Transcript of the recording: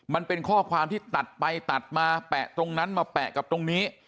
มันเป็นข้อความที่ตัดไปตัดมาแปะตรงนั้นมาแปะกับตรงนี้